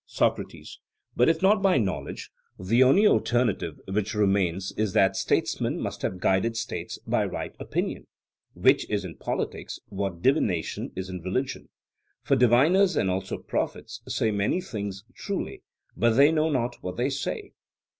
SOCRATES: But if not by knowledge, the only alternative which remains is that statesmen must have guided states by right opinion, which is in politics what divination is in religion; for diviners and also prophets say many things truly, but they know not what they say.